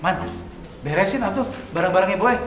mantap beresin lah tuh barang barangnya boy